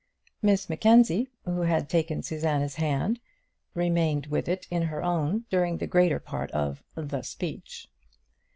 Miss Mackenzie, who had taken Susanna's hand, remained with it in her own during the greater part of the speech.